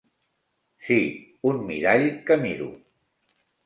Sí, un mirall que miro.